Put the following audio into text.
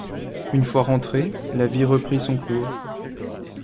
Une fois rentré, la vie reprit son cours.